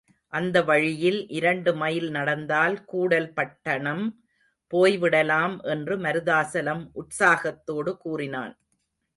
அந்த வழியில் இரண்டு மைல் நடந்தால் கூடல் பட்டணம் போய்விடலாம் என்று மருதாசலம் உற்சாகத்தோடு கூறினான்.